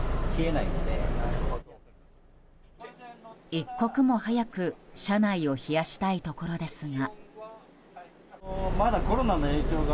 一刻も早く、車内を冷やしたいところですが。